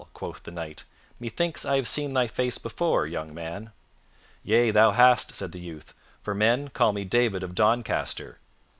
quoth the Knight. "Methinks I have seen thy face before, young man." "Yea, thou hast," said the youth, "for men call me David of Doncaster."